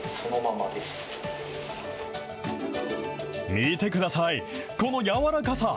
見てください、この軟らかさ。